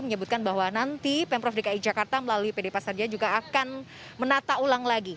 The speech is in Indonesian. menyebutkan bahwa nanti pemprov dki jakarta melalui pd pasar jaya juga akan menata ulang lagi